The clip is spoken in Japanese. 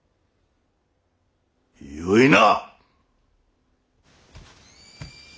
よいな！